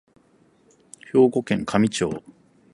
兵庫県香美町